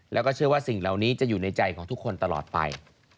แล้วก็เชื่อว่าสิ่งเหล่านี้จะอยู่ในใจของทุกคนตลอดไป